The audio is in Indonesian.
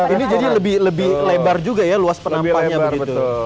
ini jadi lebih lebar juga ya luas penampahnya begitu